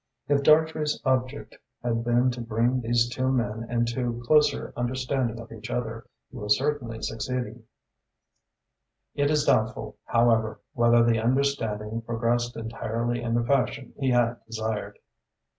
If Dartrey's object had been to bring these two men into closer understanding of each other, he was certainly succeeding. It is doubtful, however, whether the understanding progressed entirely in the fashion he had desired.